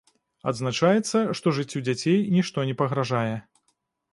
Адзначаецца, што жыццю дзяцей нішто не пагражае.